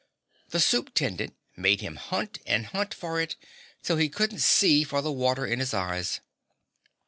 The Supe'tendent made him hunt and hunt for it till he couldn't see for the water in his eyes.